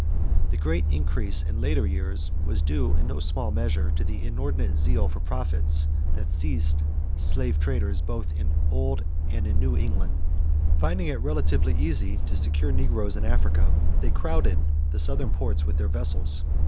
The great increase in later years was due in no small measure to the inordinate zeal for profits that seized slave traders both in Old and in New England. Finding it relatively easy to secure negroes in Africa, they crowded the Southern ports with their vessels.